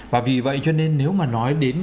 và vì vậy cho nên nếu mà nói đến